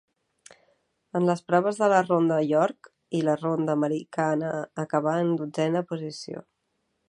En les proves de la ronda York i la ronda americana acabà en dotzena posició.